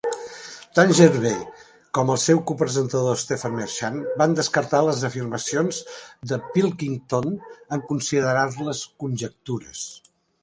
Tant Gervais com el seu co-presentador Stephen Merchant van descartar les afirmacions de Pilkington en considerar-les conjectures.